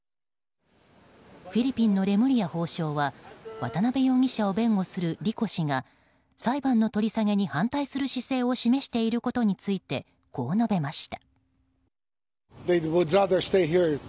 フィリピンのレムリヤ法相は渡辺容疑者を弁護するリコ氏が裁判の取り下げに反対する姿勢を示していることについてこう述べました。